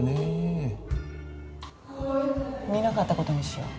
見なかった事にしよう。